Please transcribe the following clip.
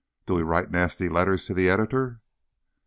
Do we write nasty letters to the editor?"